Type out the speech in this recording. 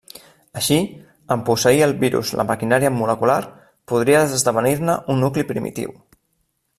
Així, en posseir el virus la maquinària molecular, podria esdevenir-ne un nucli primitiu.